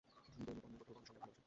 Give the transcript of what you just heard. গৌণ কর্ম প্রত্যক্ষ কর্মের আগে বসে।